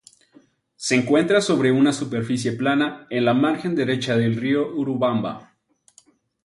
Se encuentra sobre una superficie plana en la margen derecha del río Urubamba.